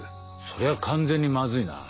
そりゃ完全にマズいな。